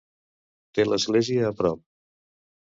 Té l'església a prop.